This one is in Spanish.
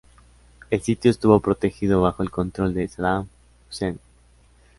El sitio estuvo protegido bajo el control de Saddam Hussein.